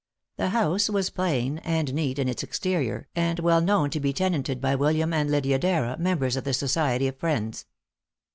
The house was plain and neat in its exterior, and well known to be tenanted by William and Lydia Darrah, members of the Society of Friends.